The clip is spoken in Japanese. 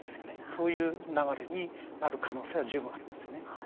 そういう流れになる可能性は十分ありますよね。